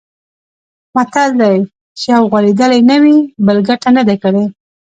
متل دی: چې یو غولېدلی نه وي، بل ګټه نه ده کړې.